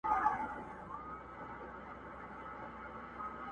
په جنګ وتلی د ټولي مځکي٫